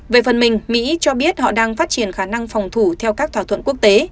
về phần mình mỹ cho biết họ đang phát triển khả năng phòng thủ theo các thỏa thuận quốc tế